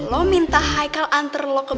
lo minta haikal antar lo ke sini